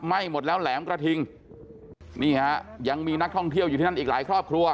หมดแล้วแหลมกระทิงนี่ฮะยังมีนักท่องเที่ยวอยู่ที่นั่นอีกหลายครอบครัว